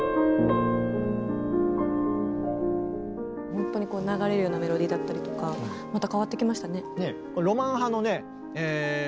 ほんとに流れるようなメロディーだったりとかまた変わってきましたね。